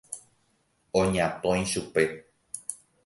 Oñatõi chupe.